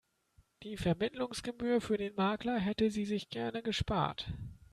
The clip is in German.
Die Vermittlungsgebühr für den Makler hätte sie sich gerne gespart.